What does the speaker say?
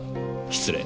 失礼。